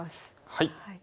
はい。